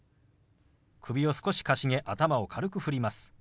首を少しかしげ頭を軽く振ります。